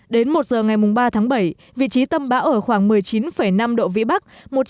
đến một giờ ngày ba tháng bảy vị trí tâm bão ở khoảng một mươi chín năm độ vĩ bắc